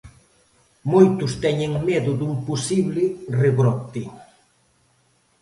Moitos teñen medo dun posible rebrote.